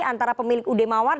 antara pemilik ud mawar